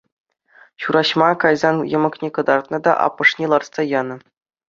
Ҫураҫма кайсан йӑмӑкне кӑтартнӑ та аппӑшне лартса янӑ.